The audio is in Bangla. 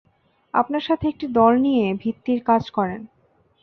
আপনার সাথে একটি দল নিয়ে ভিত্তির কাজ করেন।